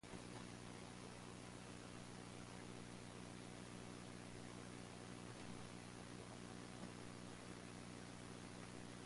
People pelted each other with clay pellets discharged from small peashooters.